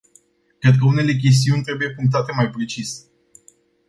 Cred că unele chestiuni trebuie punctate mai precis.